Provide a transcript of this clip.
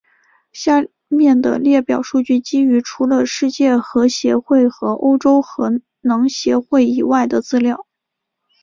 下面的列表数据基于除了世界核协会和欧洲核能协会以外的资料。